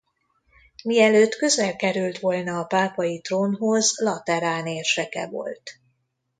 Mielőtt közel került volna a pápai trónhoz Laterán érseke volt.